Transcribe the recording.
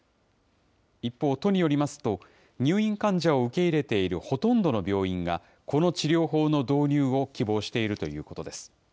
一方、都によりますと、入院患者を受け入れているほとんどの病院が、この治療法の導入を希望しているということです。